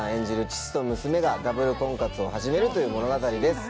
父と娘がダブル婚活を始めるという物語です